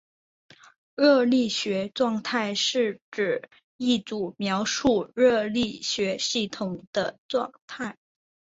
热力学状态是指一组描述热力学系统的状态。